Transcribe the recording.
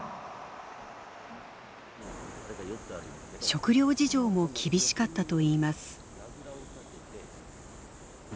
食料事情も厳しかったといいます。